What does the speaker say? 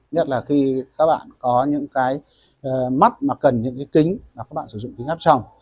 nhất là khi các bạn có những cái mắt mà cần những cái kính mà các bạn sử dụng kính ngắp trong